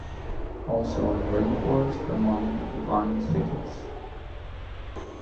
Also in rainforest amongst vine thickets.